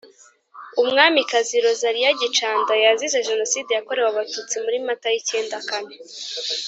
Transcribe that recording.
Umwamikazi Rosalie Gicanda yazize Jenoside yakorewe abatutsi muri Mata y’icyenda kane.